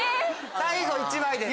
最後１枚です。